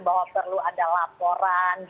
bahwa perlu ada laporan